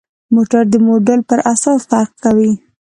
موټر د موډل پر اساس فرق کوي.